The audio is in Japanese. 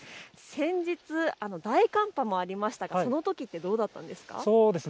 先日、大寒波もありましたがそのときはどうだったんですか。